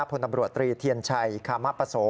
พลตำรวจตรีเทียนชัยคามปโส